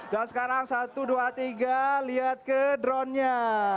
dan sekarang satu dua tiga lihat ke dronenya